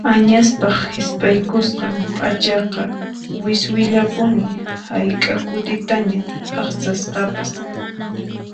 Añaspaq hisp'aykusqan p'achaqa wiswillapuni hayk'a kutiña t'aqsasqapas.